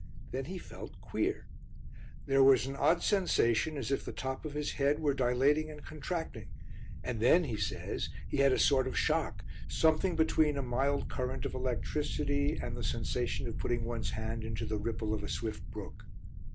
Then he felt "queer." There was an odd sensation as if the top of his head were dilating and contracting, and then he says he had a sort of shock, something between a mild current of electricity and the sensation of putting one's hand into the ripple of a swift brook.